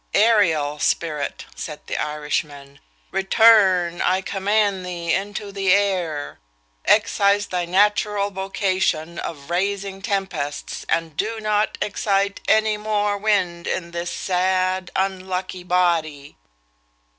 'Aerial spirit,' said the Irishman, 'return, I command thee, into the air; exercise thy natural vocation of raising tempests, and do not excite any more wind in this sad unlucky body!'